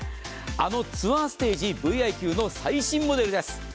あのツアーステージＶｉＱの最新モデルです。